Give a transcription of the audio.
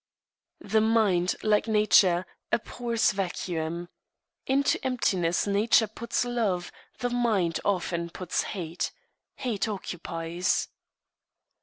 The mind, like nature, abhors vacuum. Into emptiness nature puts love; the mind often puts hate. Hate occupies.